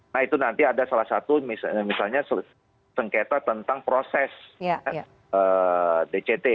nah itu nanti ada salah satu misalnya sengketa tentang proses dct